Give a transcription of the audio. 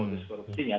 bukan soal jumlah kasus